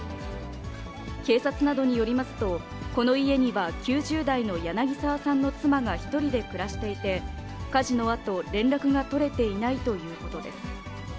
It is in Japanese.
警察などによりますと、この家には９０代の柳沢さんの妻が１人で暮らしていて、火事のあと、連絡が取れていないということです。